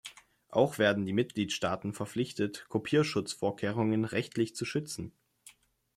Auch werden die Mitgliedstaaten verpflichtet, Kopierschutzvorkehrungen rechtlich zu schützen.